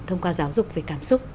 thông qua giáo dục về cảm xúc